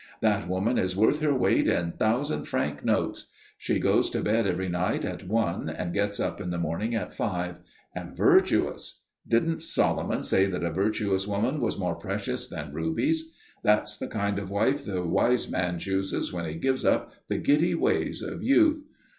That woman is worth her weight in thousand franc notes. She goes to bed every night at one, and gets up in the morning at five. And virtuous! Didn't Solomon say that a virtuous woman was more precious than rubies? That's the kind of wife the wise man chooses when he gives up the giddy ways of youth.